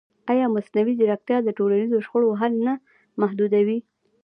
ایا مصنوعي ځیرکتیا د ټولنیزو شخړو حل نه محدودوي؟